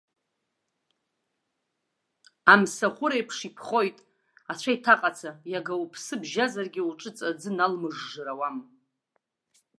Амсахәыр аиԥш иԥхоит, ацәа иҭаҟаца, иага уԥсы бжьазаргьы уҿыҵа аӡы налмыржжыр ауам!